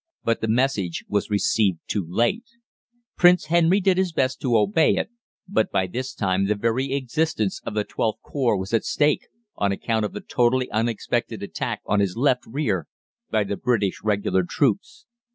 But the message was received too late. Prince Henry did his best to obey it, but by this time the very existence of the XIIth Corps was at stake on account of the totally unexpected attack on his left rear by the British regular troops.